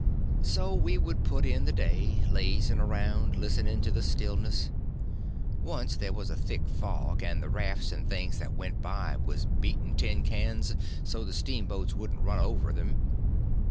So we would put in the day, lazying around, listening to the stillness. Once there was a thick fog, and the rafts and things that went by was beating tin pans so the steamboats wouldn't run over them.